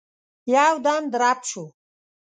يودم درب شو.